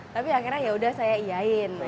tapi akhirnya ya udah saya iain